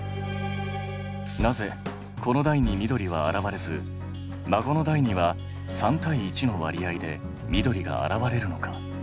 なぜ子の代に緑は現れず孫の代には３対１の割合で緑が現れるのか？